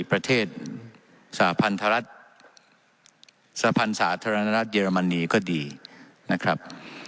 ประเทศสาพันธรัฐสาพันธ์สาธารณรัฐเยอรมนีก็ดีนะครับ